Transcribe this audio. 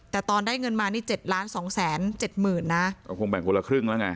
แต่ตอนได้เงินมานี่เจ็ดล้านสองแสนเจ็ดหมื่นนะก็คงแบ่งคนละครึ่งแล้วไง